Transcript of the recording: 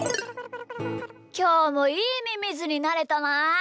きょうもいいミミズになれたな。